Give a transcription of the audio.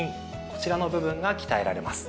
こちらの部分が鍛えられます。